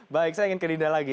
baik saya ingin ke dinda lagi